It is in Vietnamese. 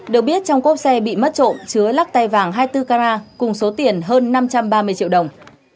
được biết trong cốp xe bị mất trộm chứa lắc tay vàng hai mươi bốn carat cùng số tiền hơn năm trăm ba mươi triệu đồng